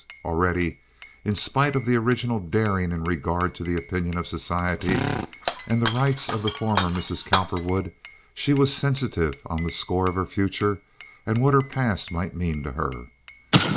Already, in spite of her original daring in regard to the opinion of society and the rights of the former Mrs. Cowperwood, she was sensitive on the score of her future and what her past might mean to her.